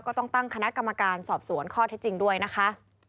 ก็ต้องตั้งคณะกรรมการสอบสวนข้อเท็จจริงด้วยนะคะ